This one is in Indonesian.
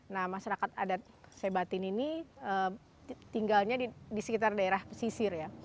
nah masyarakat adat saibatin ini tinggalnya di sekitar daerah pesisir ya